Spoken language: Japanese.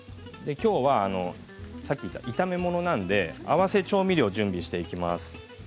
きょうは炒め物なので合わせ調味料を準備していきます。